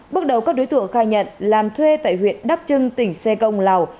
bước đầu các đối tượng khai nhận làm thuê tại huyện đắc trưng tỉnh xê công lào